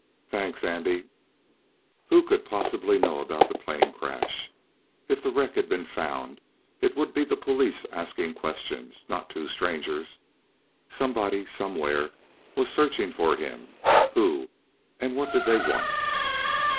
"Thanks, Andy." Who could possibly know about the plane crash? If the wreck had been found, it would be the police asking questions, not two strangers. Somebody, somewhere, was searching for him. Who? And what did they want?